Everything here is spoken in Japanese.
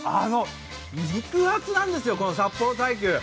肉厚なんですよ、この札幌大球。